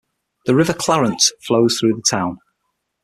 The river Clarence flows through the town.